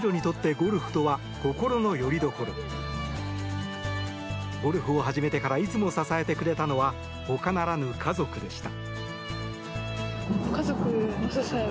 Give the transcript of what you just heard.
ゴルフを始めてからいつも支えてくれたのはほかならぬ家族でした。